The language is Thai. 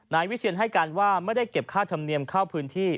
นายวิเชียนให้การว่าไม่ได้เก็บค่าธรรมเนียมเข้าพื้นที่